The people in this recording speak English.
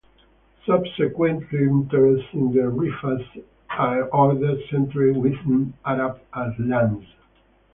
Subsequently, interest in the Rifa'i order centered within Arab lands.